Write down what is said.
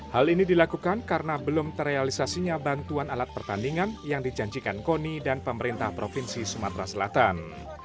hal ini dilakukan karena belum terrealisasinya bantuan alat pertandingan yang dijanjikan koni dan pemerintah provinsi sumatera selatan